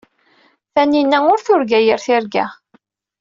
Tanina ur turga yir tirga.